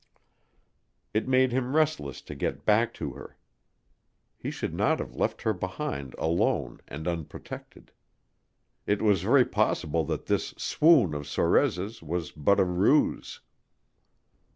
It made him restless to get back to her. He should not have left her behind alone and unprotected. It was very possible that this swoon of Sorez' was but a ruse.